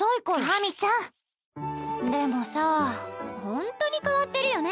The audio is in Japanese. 秋水ちゃん！でもさほんとに変わってるよね